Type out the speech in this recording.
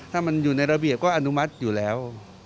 ถ้ามันอยู่ในระเบียบก็อนุมัติอยู่แล้ว